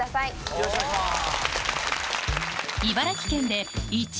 よろしくお願いします。